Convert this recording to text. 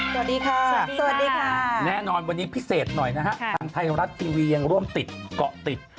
สวัสดีค่ะสวัสดีค่ะแน่นอนวันนี้พิเศษหน่อยนะฮะทางไทยรัฐทีวียังร่วมติดเกาะติด